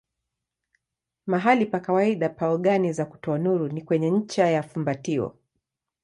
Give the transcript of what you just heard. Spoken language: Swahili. Mahali pa kawaida pa ogani za kutoa nuru ni kwenye ncha ya fumbatio.